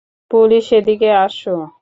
Police, এদিকে আসো।